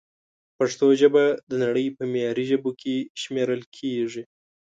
پښتو ژبه د نړۍ په معياري ژبو کښې شمېرل کېږي